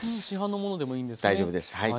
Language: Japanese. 市販のものでもいいんですね。